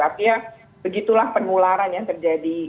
artinya begitulah penularan yang terjadi